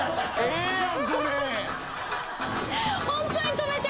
ホントに止めて。